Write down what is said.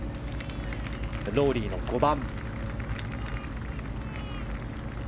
ロウリーの５番。